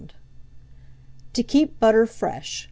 TO KEEP BUTTER FRESH.